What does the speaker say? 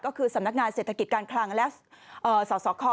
ก็คือสำนักงานเศรษฐกิจการคลังและสสค